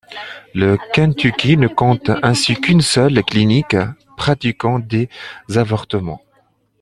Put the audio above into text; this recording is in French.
Le Kentucky ne compte ainsi qu'une seule clinique pratiquant des avortements.